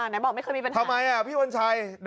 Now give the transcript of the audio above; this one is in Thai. ไหนบอกไม่เคยมีปัญหาทำไมพี่วันชัย